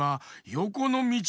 よこのみち？